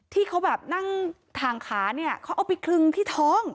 ที่เขาแบบนั่งถ่างขาเนี่ยเขาเอาไปคลึงที่ท้อง